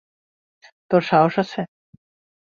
তোর সাহস আছে।